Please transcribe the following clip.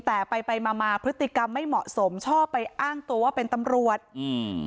แต่ไปไปมามาพฤติกรรมไม่เหมาะสมชอบไปอ้างตัวว่าเป็นตำรวจอืม